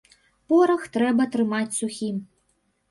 Порах трэба трымаць сухім.